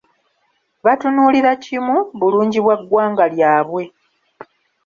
Batunuulira kimu, bulungi bwa ggwanga lyabwe.